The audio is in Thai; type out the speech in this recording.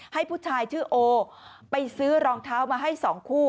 ให้ผู้ชายชื่อโอไปซื้อรองเท้ามาให้๒คู่